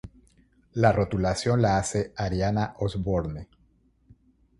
La rotulación la hace Ariana Osborne.